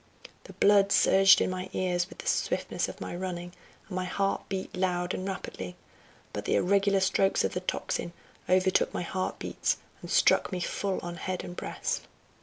The blood surged in my ears with the swiftness of my running, and my heart beat loud and rapidly; but the irregular strokes of the tocsin overtook my heart beats and struck me full on head and breast.